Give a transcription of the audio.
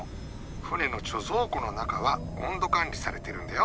船の貯蔵庫の中は温度管理されてるんだよ。